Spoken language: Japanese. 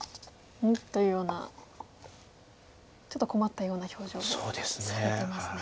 ムッというようなちょっと困ったような表情をされてますね。